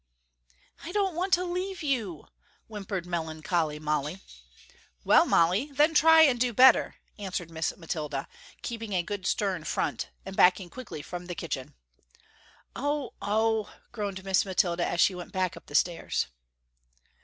"I don't want to leave you," whimpered melancholy Molly. "Well Molly then try and do better," answered Miss Mathilda, keeping a good stern front, and backing quickly from the kitchen. "Oh! Oh!" groaned Miss Mathilda, as she went back up the stairs.